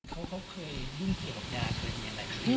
เขาเคยยุ่งเกี่ยวกับยาเคยมีอะไรไหม